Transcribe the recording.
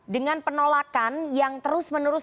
dengan penolakan yang terus menerus